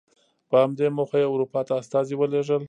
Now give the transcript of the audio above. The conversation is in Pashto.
په همدې موخه یې اروپا ته استازي ولېږل.